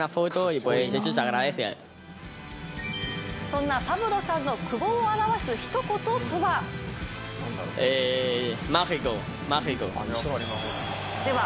そんなパブロさんの久保を表すひと言とは？